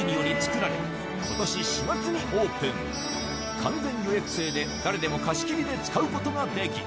完全予約制で誰でも貸し切りで使うことができ